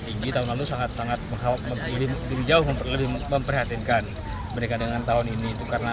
tinggi tahun lalu sangat sangat menghapus lebih jauh memperhatinkan mereka dengan tahun ini karena